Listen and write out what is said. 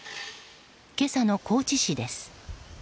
今朝の高知市です。